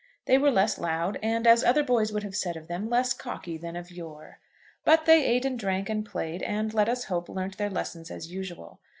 They were less loud, and, as other boys would have said of them, less "cocky" than of yore. But they ate and drank and played, and, let us hope, learnt their lessons as usual.